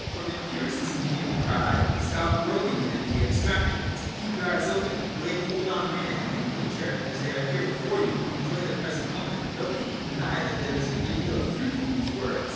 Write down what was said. From Empiricism came the cry :' Stop roaming in empty abstractions, keep your eyes open, lay hold on man and nature as they are here before you, enjoy the present moment' Nobody can deny that there is a good deal of truth in these words.